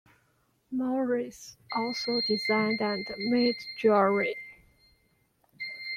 Morris also designed and made jewellery.